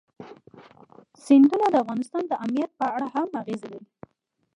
سیندونه د افغانستان د امنیت په اړه هم اغېز لري.